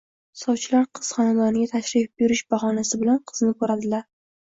sovchilar qiz xonadoniga tashrif buyurish bahoniasi bilan qizni ko’radilar.